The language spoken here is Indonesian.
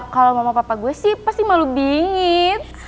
kalau mama papa gue sih pasti malu dingin